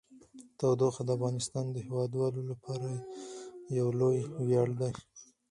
تودوخه د افغانستان د هیوادوالو لپاره یو لوی ویاړ دی.